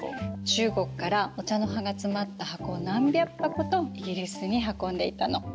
中国からお茶の葉が詰まった箱を何百箱とイギリスに運んでいたの。